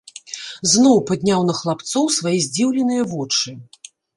Зноў падняў на хлапцоў свае здзіўленыя вочы.